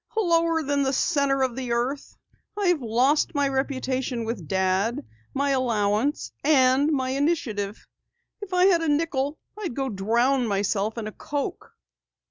"Lower than the center of the earth. I've lost my reputation with Dad, my allowance, and my initiative. If I had a nickel I'd go drown myself in a coke!"